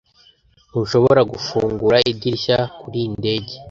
Ntushobora gufungura idirishya kurindege.